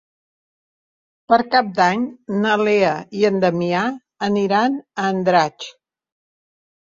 Per Cap d'Any na Lea i en Damià aniran a Andratx.